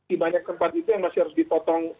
yang keempat itu yang masih harus ditotong